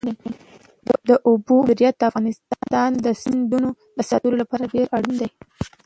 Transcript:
د اوبو مدیریت د افغانستان د سیندونو د ساتنې لپاره ډېر اړین دی.